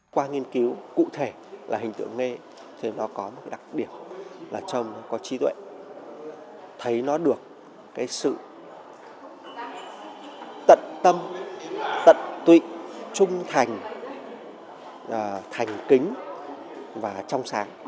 qua nghiên cứu cụ thể là hình tượng nghê thì nó có một đặc điểm là trông có trí tuệ thấy nó được sự tận tâm tận tụy trung thành thành kính và trong sáng